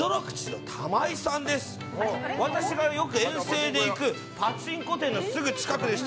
私がよく遠征で行くパチンコ店のすぐ近くでして。